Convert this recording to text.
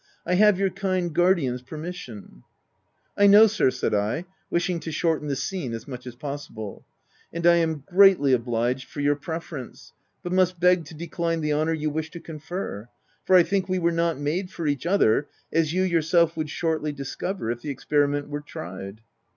" I have your kind guardian's permission —"" I know, sir," said I, wishing to shorten the scene as much as possible, " and I am greatly obliged for your preference, but must beg to decline the honour you wish to confer ; for, I think, we were not made for each other — as you yourself would shortly discover if the experiment were tried."